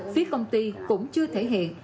phía công ty cũng chưa thể hiện